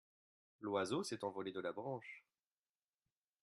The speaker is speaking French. l'oiseau s'est envolé de la branche.